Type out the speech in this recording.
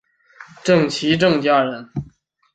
郑琦郑家人。